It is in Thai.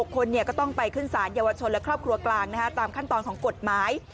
คนก็ต้องไปขึ้นสารเยาวชนและครอบครัวกลางตามขั้นตอนของกฎหมาย